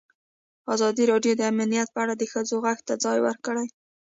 ازادي راډیو د امنیت په اړه د ښځو غږ ته ځای ورکړی.